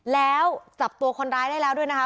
แล้วจับตัวคนร้ายได้แล้วด้วยนะคะ